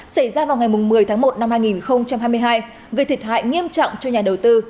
xảy ra vào ngày một mươi tháng một năm hai nghìn hai mươi hai gây thiệt hại nghiêm trọng cho nhà đầu tư